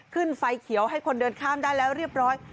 ไฟเขียวให้คนเดินข้ามได้แล้วเรียบร้อย